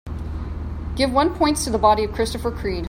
Give one points to The Body of Christopher Creed